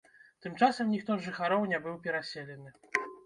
Тым часам ніхто з жыхароў не быў пераселены.